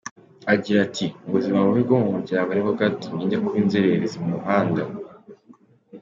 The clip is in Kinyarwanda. Agira ati “Ubuzima bubi bwo mu muryango nibwo bwatumye njya kuba inzererezi mu muhanda.